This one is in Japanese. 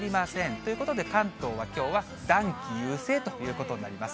ということで、関東はきょうは暖気優勢ということになります。